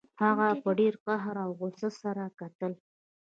هغه په ډیر قهر او غوسه سره کتل